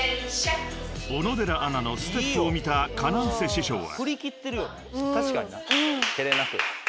［小野寺アナのステップを見たＫａｎａｎｃＥ師匠は］